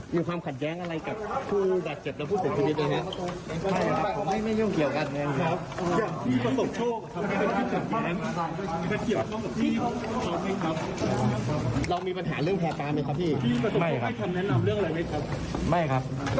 อย่างพี่ประสบโชค